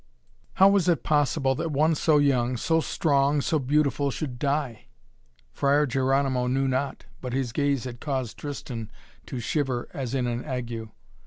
How was it possible that one so young, so strong, so beautiful, should die? Friar Geronimo knew not. But his gaze had caused Tristan to shiver as in an ague.